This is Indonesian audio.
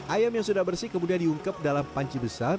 ayam yang sudah bersih kemudian diungkep dalam panci besar